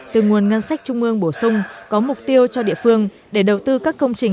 từ nguồn ngân sách trung ương bổ sung có mục tiêu cho địa phương để đầu tư các công trình